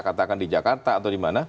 katakan di jakarta atau di mana